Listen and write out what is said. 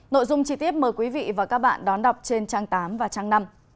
nội dung chi tiết mời quý vị và các bạn đón đọc trên trang tám và trang năm